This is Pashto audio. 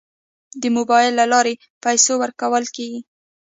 د موبایل له لارې پیسې ورکول کیږي.